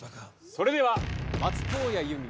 それでは松任谷由実